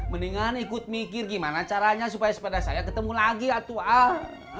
mendingan ikut mikir gimana caranya supaya sepeda saya ketemu lagi atau ah